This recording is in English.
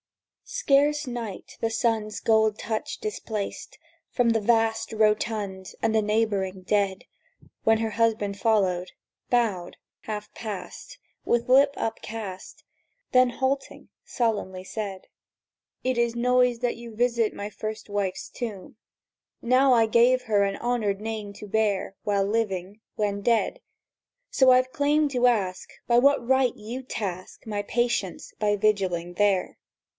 Scarce night the sun's gold touch displaced From the vast Rotund and the neighbouring dead When her husband followed; bowed; half passed, With lip upcast; Then, halting, sullenly said: "It is noised that you visit my first wife's tomb. Now, I gave her an honoured name to bear While living, when dead. So I've claim to ask By what right you task My patience by vigiling there?